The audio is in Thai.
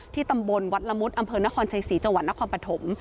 ตำบลวัดละมุดอำเภอนครชัยศรีจังหวัดนครปฐม